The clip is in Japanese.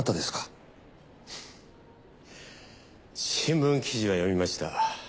フフ新聞記事は読みました。